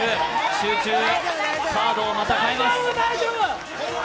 集中、カードをまた変えます。